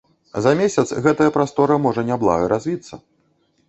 За месяц гэтае прастора можа няблага развіцца.